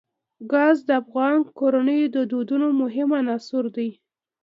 ګاز د افغان کورنیو د دودونو مهم عنصر دی.